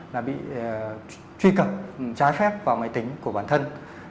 là bị truy cập trái phép vào máy tính của bản thân